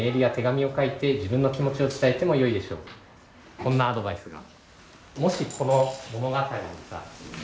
こんなアドバイスが。